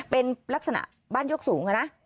เป็นลักษณะบ้านยกสูงนะ